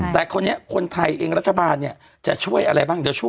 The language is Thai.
แต่พวกนี้มันน้ำลดมั้ยอะนี่๑บาท